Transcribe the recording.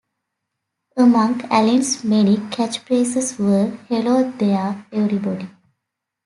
Among Allen's many catchphrases were Hello there, everybody!